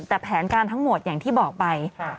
แต่แผนการทั้งหมดอย่างที่บอกไป